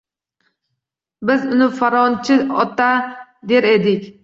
Biz uni Fanorchi ota, der edik